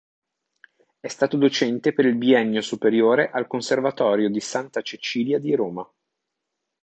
È stato docente per il Biennio Superiore al Conservatorio di Santa Cecilia di Roma.